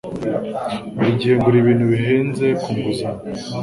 Buri gihe ngura ibintu bihenze ku nguzanyo.